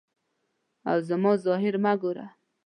او زما ظاهر مه ګوره.